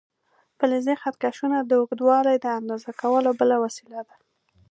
فلزي خط کشونه د اوږدوالي د اندازه کولو بله وسیله ده.